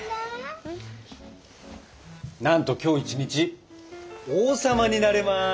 なんと今日一日王様になれます！